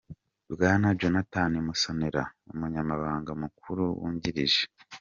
Bwana Jonathan Musonera, Umunyamabanga Mukuru wungirije